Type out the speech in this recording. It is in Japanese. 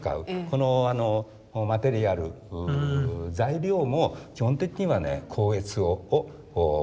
このマテリアル材料も基本的にはね光悦を学んでいる。